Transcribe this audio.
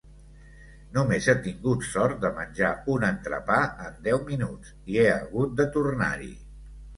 Només he tingut sort de menjar un entrepà en deu minuts, i he hagut de tornar-hi!